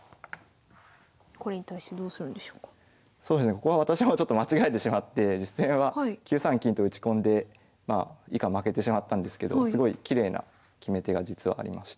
ここは私もちょっと間違えてしまって実戦は９三金と打ち込んで以下負けてしまったんですけどすごいきれいな決め手が実はありました。